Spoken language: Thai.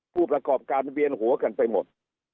ผู้ประกอบการเวียนหัวกันไปหมด